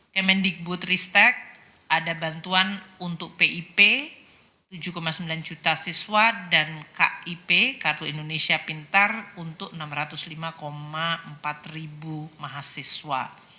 kemendikbud ristek ada bantuan untuk pip tujuh sembilan juta siswa dan kip kartu indonesia pintar untuk enam ratus lima empat ribu mahasiswa